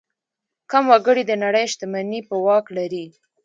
کم وګړي د نړۍ شتمني په واک لري.